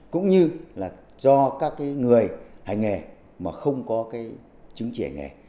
cũng như là do các cái người hành nghề mà không có cái chứng chỉ hành nghề